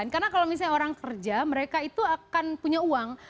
karena kalau misalnya orang kerja mereka itu akan punya uang